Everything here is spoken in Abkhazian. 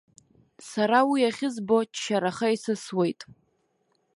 Сара уи ахьызбо ччараха исысуеит.